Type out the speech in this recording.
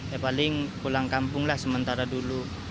ya paling pulang kampung lah sementara dulu